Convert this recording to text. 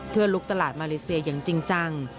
เพื่อลุกตลาดมาเลเซียอย่างจริงจัง